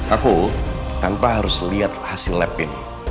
aku tanpa harus lihat hasil lab ini